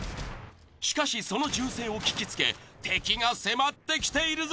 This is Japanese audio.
しかしその銃声を聞きつけ敵が迫ってきているぞ。